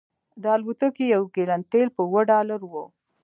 د الوتکې یو ګیلن تیل په اوه ډالره و